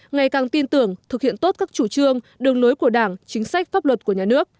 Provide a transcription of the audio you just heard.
ngày càng tin tưởng thực hiện tốt các chủ trương đường lối của đảng chính sách pháp luật của nhà nước